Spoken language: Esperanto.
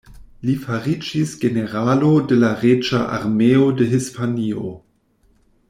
Li fariĝis generalo de la reĝa armeo de Hispanio.